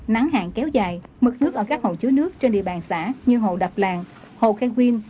nắng hạn kéo dài mực nước ở các hồ chứa nước trên địa bàn xã như hồ đập làng hồ khang quyên